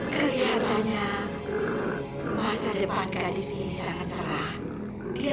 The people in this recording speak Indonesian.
sampai jumpa di video selanjutnya